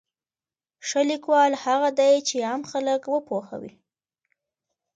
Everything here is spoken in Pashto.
ښه لیکوال هغه دی چې عام خلک وپوهوي.